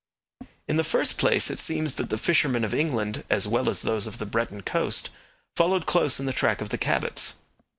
In the first place, it seems that the fishermen of England, as well as those of the Breton coast, followed close in the track of the Cabots.